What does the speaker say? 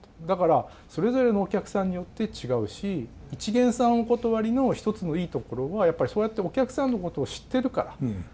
だからそれぞれのお客さんによって違うし「一見さんお断り」の一つのいいところはやっぱりそうやってお客さんのことを知ってるから。